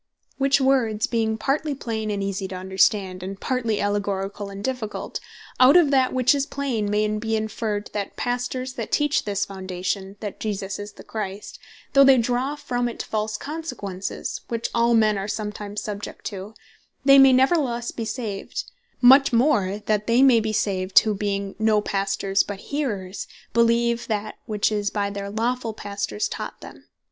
Which words, being partly plain and easie to understand, and partly allegoricall and difficult; out of that which is plain, may be inferred, that Pastors that teach this Foundation, that Jesus Is The Christ, though they draw from it false consequences, (which all men are sometimes subject to,) they may neverthelesse bee saved; much more that they may bee saved, who being no Pastors, but Hearers, beleeve that which is by their lawfull Pastors taught them.